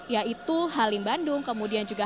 yaitu halim bandung kemudian juga